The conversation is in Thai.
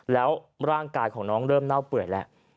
แล้วร่างกายของน้องเริ่มเน่าเปื่อยแล้ว